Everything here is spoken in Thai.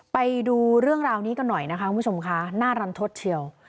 ไปดูเรื่องราวนี้กันหน่อยนะคะคุณผู้ชมค่ะน่ารันทดเชียว